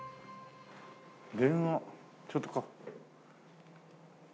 電話ちょっと。